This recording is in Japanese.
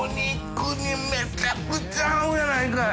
めちゃくちゃ合うやないかい。